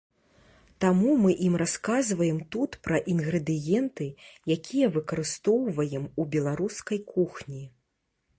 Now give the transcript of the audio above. Таму мы ім расказваем тут пра інгрэдыенты, якія выкарыстоўваем у беларускай кухні.